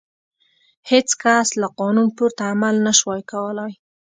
هېڅ کس له قانون پورته عمل نه شوای کولای.